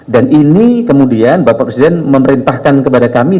dan ini kemudian bapak presiden memerintahkan kepada kami